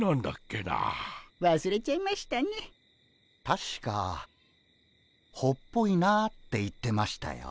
たしか「ほっぽいな」って言ってましたよ。